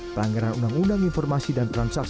pelanggaran undang undang informasi dan transaksi